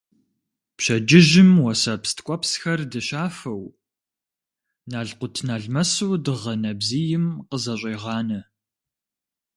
Пщэдджыжьым уэсэпс ткӀуэпсхэр дыщафэу, налкъутналмэсу дыгъэ нэбзийм къызэщӀегъанэ.